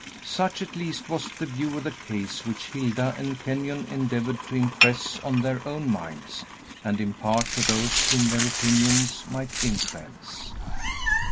Such, at least, was the view of the case which Hilda and Kenyon endeavored to impress on their own minds, and impart to those whom their opinions might influence.